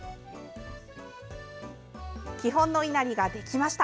基本のいなりができました。